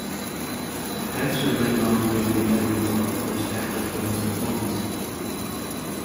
Baxter went on to win the Academy Award for Best Actor for his performance.